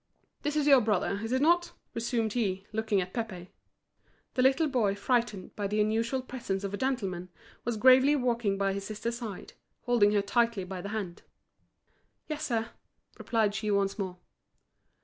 "This is your brother, is it not?" resumed he, looking at Pépé. The little boy, frightened by the unusual presence of a gentleman, was gravely walking by his sister's side, holding her tightly by the hand. "Yes, sir," replied she once more.